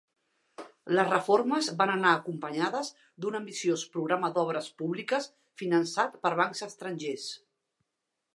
Les reformes van anar acompanyades d'un ambiciós programa d'obres públiques, finançat per bancs estrangers.